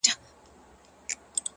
مخامخ وتراشل سوي بت ته ناست دی ـ